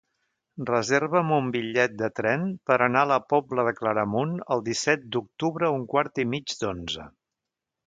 Reserva'm un bitllet de tren per anar a la Pobla de Claramunt el disset d'octubre a un quart i mig d'onze.